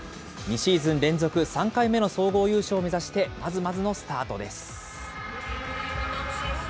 ２シーズン連続３回目の総合優勝を目指してまずまずのスタートです。